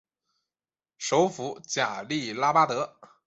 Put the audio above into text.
首府贾利拉巴德。